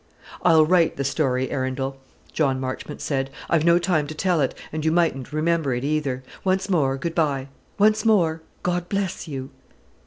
"I'll write the story, Arundel," John Marchmont said; "I've no time to tell it, and you mightn't remember it either. Once more, good bye; once more, God bless you!"